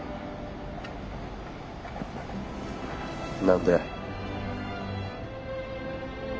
何で？